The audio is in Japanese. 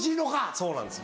そうなんです